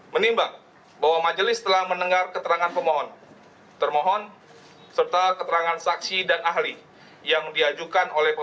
peniagaan warnanite awal penguasa pemerintahan blue lug nogasi bersampai saat empat belas oktober dua ribu empat belas